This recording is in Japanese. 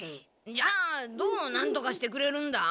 じゃあどうなんとかしてくれるんだ？